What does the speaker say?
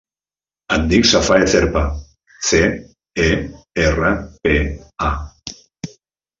Em dic Safae Cerpa: ce, e, erra, pe, a.